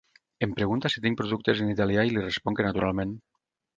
Em pregunta si tinc productes en italià i li responc que naturalment.